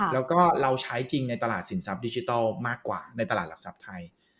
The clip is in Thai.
แล้วก็เราใช้จริงในตลาดสินทรัพย์ดิจิทัลมากกว่าในตลาดหลักทรัพย์ไทย